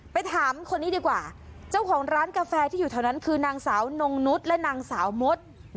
ไปถามคนนี้ดีกว่าเจ้าของร้านกาแฟที่อยู่แถวนั้นคือนางสาวนงนุษย์และนางสาวมด